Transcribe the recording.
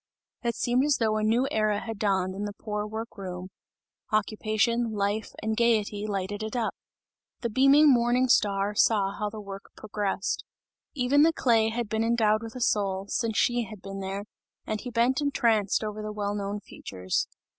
It seemed as though a new era had dawned in the poor work room; occupation, life and gayety, lighted it up. The beaming morning star saw how the work progressed. Even the clay had been endowed with a soul, since she had been there, and he bent entranced over the well known features.